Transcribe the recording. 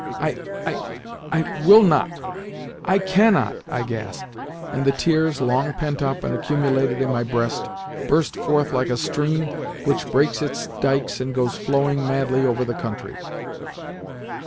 "I I I will not—I cannot!" I gasped, and the tears, long pent up and accumulated in my breast, burst forth like a stream which breaks its dikes and goes flowing madly over the country.